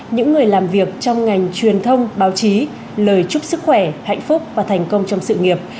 những người làm việc trong ngành truyền thông báo chí lời chúc sức khỏe hạnh phúc và thành công trong sự nghiệp